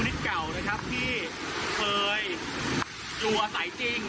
คลิปเก่านะครับที่เคยจัวสายจริง